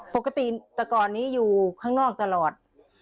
ปกติแต่ก่อนนี้อยู่ข้างนอกตลอด